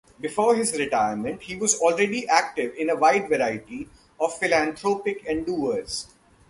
Before his retirement, he was already active in a wide variety of philanthropic endeavors.